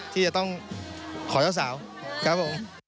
ที่จะต้องขอเจ้าสาว